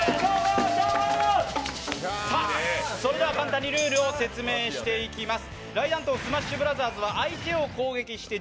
それでは簡単にルールを説明していきます。